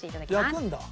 焼くんだ。